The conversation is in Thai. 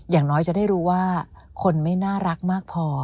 อย่างน้อยจะได้รู้ว่าคนไม่น่ารักมากพอ